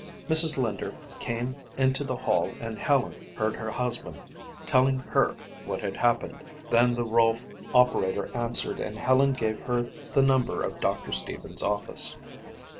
Mrs. Linder came into the hall and Helen heard her husband telling her what had happened. Then the Rolfe operator answered and Helen gave her the number of Doctor Stevens' office.